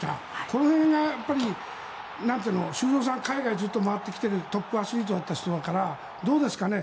この辺が、修造さん海外ずっと回ってきてるトップアスリートだった人だからどうですかね。